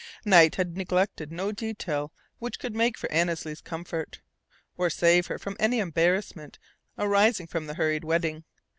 Knight had neglected no detail which could make for Annesley's comfort, or save her from any embarrassment arising from the hurried wedding.